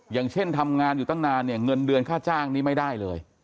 อย่างเช่นทำงานอยู่ตั้งนานเนี่ยเงินเดือนค่าจ้างนี้ไม่ได้เลย